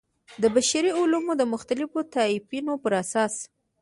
د بشري علومو مختلفو طیفونو پر اساس.